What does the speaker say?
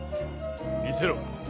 見せろ。